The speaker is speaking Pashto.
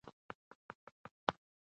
لوستې میندې د ماشوم د ناروغۍ خطر کموي.